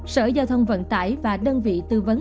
sở giao thông vận tải và đơn vị tư vấn